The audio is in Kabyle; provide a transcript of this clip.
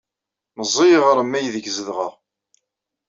Meẓẓiy yiɣrem aydeg zedɣeɣ.